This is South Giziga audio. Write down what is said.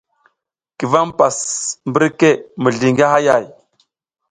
Ki vam hipas mbirke mizliy ngi hayay ?